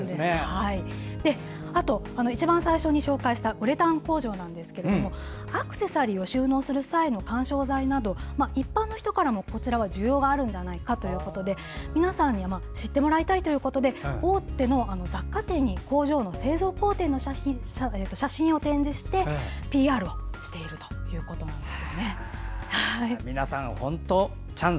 あと、一番最初に紹介したウレタン工場なんですがアクセサリーを収納する際の緩衝材など一般の人からも需要があるんじゃないかということで皆さんに知ってもらいたいということで大手の雑貨店に工場の製造工程の写真を展示してＰＲをしているということです。